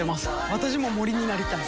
私も森になりたい。